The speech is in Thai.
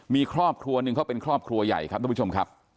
มีครอบครัวหนึ่งเขาเป็นครอบครัวใหญ่ครับทุกผู้ชมครับ